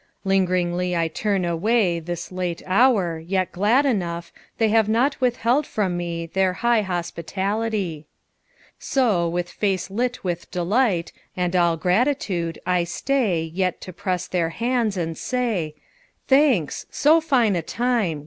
Lingeringly I turn away, This late hour, yet glad enough They have not withheld from me Their high hospitality. So, with face lit with delight And all gratitude, I stay Yet to press their hands and say, "Thanks. So fine a time